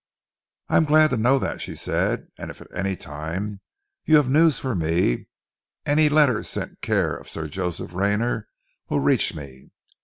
"I am glad to know that," she said, "and if at any time you have news for me, any letter sent care of Sir Joseph Rayner will reach me."